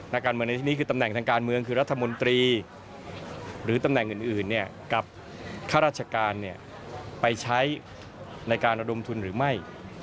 นักการเมืองในที่นี้คือตำแหน่งทางการเมืองคือรัฐมนตรีหรือตำแหน่งอื่นกับข้าราชการไปใช้ในการระดมทุนหรือไม่